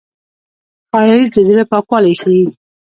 ښایست د زړه پاکوالی ښيي